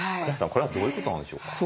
これはどういうことなんでしょうか？